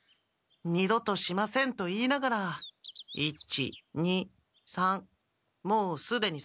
二度としませんと言いながら１２３もうすでに三度もやっている。